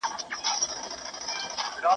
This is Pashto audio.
هغه د خبرو مېز ته ارزښت ورکاوه.